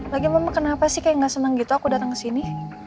lagi mama kenapa sih kayak gak senang gitu aku datang kesini